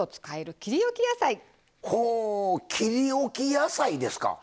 ほお「切りおき野菜」ですか？